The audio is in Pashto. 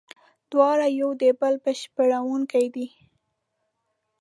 دواړه یو د بل بشپړوونکي دي.